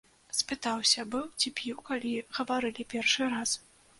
Спытаўся быў, ці п'ю, калі гаварылі першы раз.